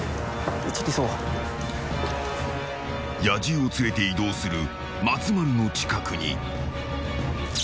［野獣を連れて移動する松丸の近くに］